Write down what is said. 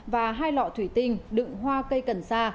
và hai lọ thủy tinh đựng hoa cây cần sa